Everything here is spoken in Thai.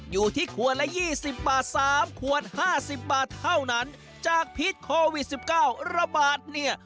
อยู่ที่ขวดละ๒๐บาท๓ขวดห้าสิบบาทเท่านั้นจากพิษโควิด๑๙ระบาดเนี่ย